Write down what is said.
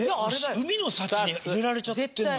海の幸に入れられちゃってるの？